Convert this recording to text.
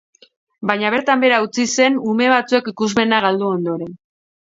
Baina bertan behera utzi zen ume batzuek ikusmena galdu ondoren.